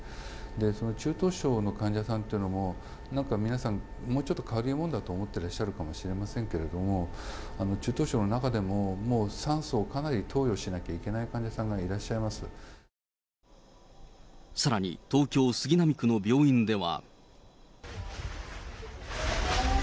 その中等症の患者さんっていうのも、なんか皆さん、もうちょっと軽いものだと思ってらっしゃるかもしれませんけれども、中等症の中でも、もう酸素をかなり投与しなきゃいけない患者さんがいらっしゃいまさらに、東京・杉並区の病院では。